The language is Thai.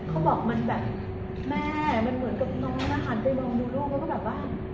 ก็บอกแบบแม่เป็นกับน้องทำลานไปรวมดูโรครับ